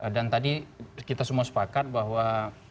dan tadi kita semua sepakat bahwa